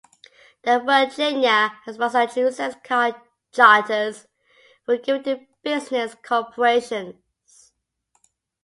The Virginia and Massachusetts charters were given to business corporations.